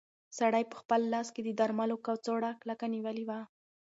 سړي په خپل لاس کې د درملو کڅوړه کلکه نیولې وه.